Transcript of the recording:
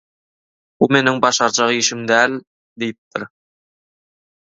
«Bu meniň başarjak işim däl» diýipdir.